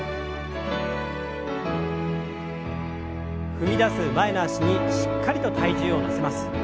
踏み出す前の脚にしっかりと体重を乗せます。